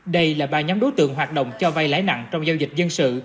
đây là ba nhóm đối tượng hoạt động cho vay lãi nặng trong giao dịch dân sự